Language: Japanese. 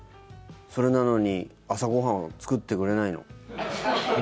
それなのに朝ご飯は作ってくれないの？